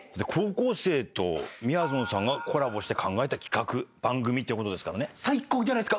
高校生とみやぞんさんがコラボして考えた企画番組ってことですからね。